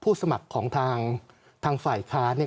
ผู้สมัครของทางจากฝ่ายคลานเนี่ย